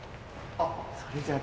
あっ！